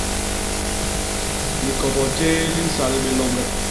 Likobo jéé li nsal bé loñge.